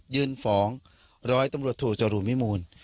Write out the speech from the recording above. ยื่นฟ้องร้อยตำรวจถูกจรูมิมูล